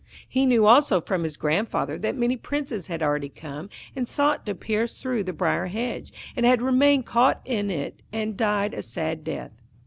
He knew also, from his grandfather, that many princes had already come and sought to pierce through the briar hedge, and had remained caught in it and died a sad death.